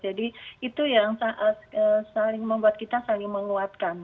jadi itu yang membuat kita saling menguatkan